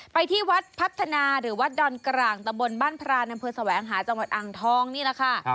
ไปที่วัดพัฒนาหรือวัดดอนกลางตะบนบ้านพรานอำเภอแสวงหาจังหวัดอ่างทองนี่แหละค่ะ